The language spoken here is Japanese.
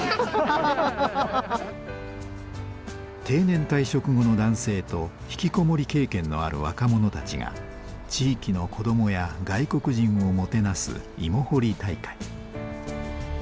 定年退職後の男性と引きこもり経験のある若者たちが地域の子どもや外国人をもてなす芋掘り大会。